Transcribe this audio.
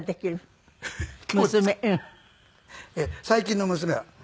最近の娘は。